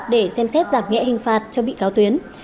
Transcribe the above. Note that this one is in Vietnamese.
để xem xét giảm nhẹ hình phạt cho bị cáo tuyến